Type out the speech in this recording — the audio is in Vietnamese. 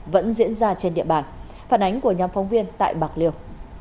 vẫn diễn ra trên địa bàn phản ánh của nhóm phóng viên tại bạc liêu